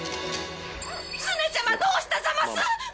スネちゃまどうしたざます？